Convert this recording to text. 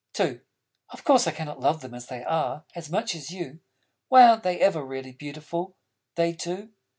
II Of Course I cannot love them as they are, As much as You. Why aren't they ever really Beautiful, They too?